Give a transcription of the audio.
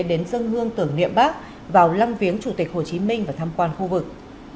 đến dân hương tưởng niệm bắc vào lăng viếng chủ tịch hồ chí minh và tham quan khu vực